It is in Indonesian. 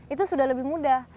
itu sudah lebih mudah